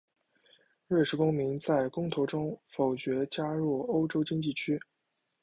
瑞士公民在公投中否决加入欧洲经济区。